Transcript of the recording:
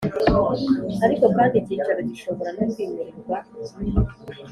Ariko kandi icyicaro gishobora no kwimurirwa